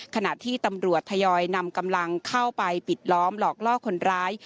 ขณะที่ตำรวจทยอยนำกำลังเข้าไปปิดล้อมหลอกล่อคนร้าย